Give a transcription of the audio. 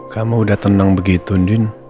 kamu udah tenang begitu new